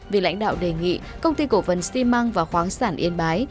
vì lãnh đạo đề nghị công ty cổ phần xi măng và khoáng sản yên bái